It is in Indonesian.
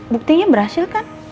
buktinya berhasil kan